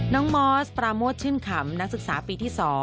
มอสปราโมทชื่นขำนักศึกษาปีที่๒